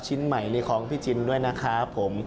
ชิ้นใหม่นี่ของจินด้วยนะคะ